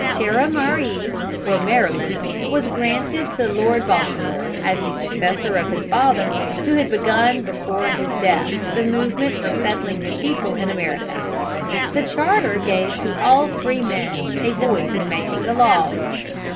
Terra Mariæ, or Maryland, was granted to Lord Baltimore, as the successor of his father, who had begun before his death the movement for settling his people in America. The charter gave to all freemen a voice in making the laws.